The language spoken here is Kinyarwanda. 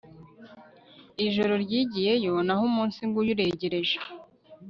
ijoro ryigiyeyo, naho umunsi ng'uyu uregereje